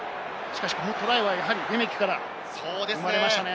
このトライはやはりレメキから生まれましたね。